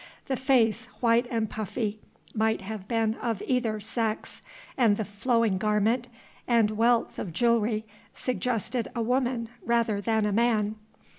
The face, white and puffy, might have been of either sex, and the flowing garment and wealth of jewellery suggested a woman rather than a man.